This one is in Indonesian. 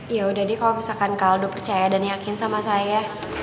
yaudah deh kalo misalkan kak aldo percaya dan yakin sama saya